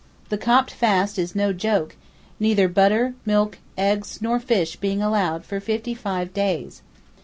The Copt fast is no joke, neither butter, milk, eggs nor fish being allowed for fifty five days.